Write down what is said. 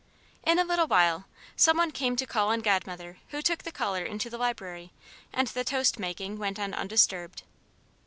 In a little while, some one came to call on Godmother who took the caller into the library; and the toast making went on undisturbed.